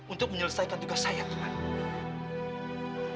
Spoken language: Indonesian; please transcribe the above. untuk menyelesaikan tugas saya kemarin